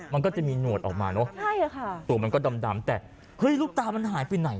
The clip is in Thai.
มันก็จะมีหนวดออกมาเนอะใช่ค่ะตัวมันก็ดำดำแต่เฮ้ยลูกตามันหายไปไหน